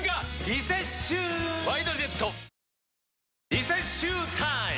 リセッシュータイム！